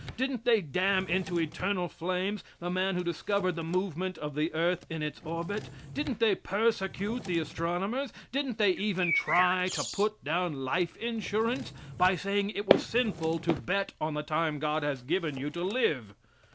Didn't they damn into eternal flames the man who discovered the movement of the earth in its orbit? Didn't they persecute the astronomers? Didn't they even try to put down life insurance by saying it was sinful to bet on the time God has given you to live?